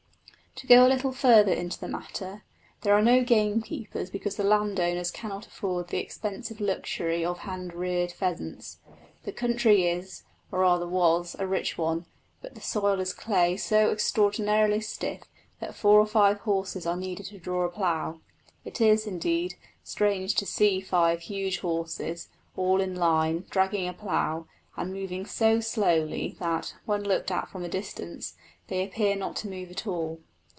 To go a little further into the matter, there are no gamekeepers because the landowners cannot afford the expensive luxury of hand reared pheasants. The country is, or was, a rich one; but the soil is clay so extraordinarily stiff that four or five horses are needed to draw a plough. It is, indeed, strange to see five huge horses, all in line, dragging a plough, and moving so slowly that, when looked at from a distance, they appear not to move at all.